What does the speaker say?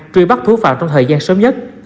truy bắt thú phạm trong thời gian sớm nhất